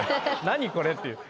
「何これ」っていう。